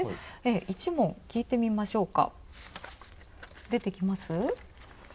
１問、聞いてみましょうか。